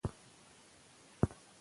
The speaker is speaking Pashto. غزني د اسلامي ثقافت پلازمېنه